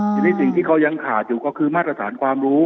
ทีนี้สิ่งที่เขายังขาดอยู่ก็คือมาตรฐานความรู้